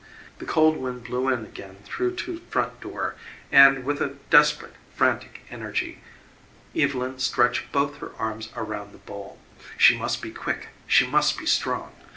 The cold wind blew in again through to front door, and with a desperate, frantic energy Evylyn stretched both her arms around the bowl. She must be quick she must be strong.